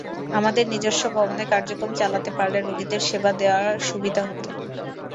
আমাদের নিজস্ব ভবনে কার্যক্রম চালাতে পারলে রোগীদের সেবা দেওয়ার সুবিধা হতো।